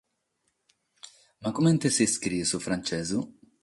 Ma, comente s’iscriet su frantzesu?